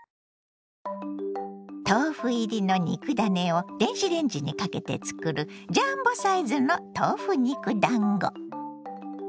豆腐入りの肉ダネを電子レンジにかけて作るジャンボサイズの豆腐肉だんご。